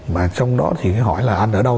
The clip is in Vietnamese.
mà trong đó thì hỏi là anh ở đâu